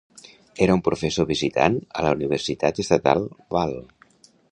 Era un professor visitant a la Universitat Estatal Ball.